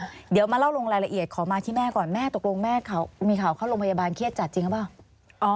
เดี๋ยวมาเล่าลงรายละเอียดขอมาที่แม่ก่อนแม่ตกลงแม่มีข่าวเข้าโรงพยาบาลเครียดจัดจริงหรือเปล่า